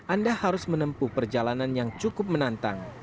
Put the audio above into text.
anda harus menempuh perjalanan yang cukup menantang